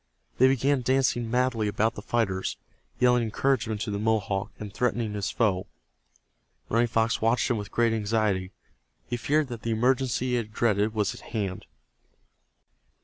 They began dancing madly about the fighters, yelling encouragement to the Mohawk, and threatening his foe. Running Fox watched them with great anxiety. He feared that the emergency he had dreaded was at hand.